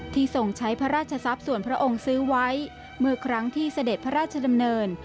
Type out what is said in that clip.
ทรงใช้พระราชทรัพย์ส่วนพระองค์ซื้อไว้เมื่อครั้งที่เสด็จพระราชดำเนิน